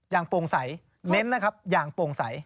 โปร่งใสเน้นนะครับอย่างโปร่งใส